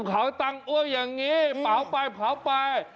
ขอตั้งต้อนอย่างนี้ปล่าวไป